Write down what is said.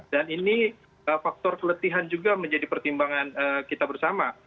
dan ini faktor keletihan juga menjadi pertimbangan kita bersama